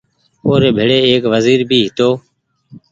اور ڀيري ايڪ وزير بهي هيتو